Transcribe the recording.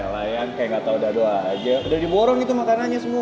kayak gatau dadu aja udah diborong itu makanannya semua